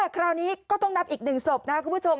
คราวนี้ก็ต้องนับอีก๑ศพนะครับคุณผู้ชม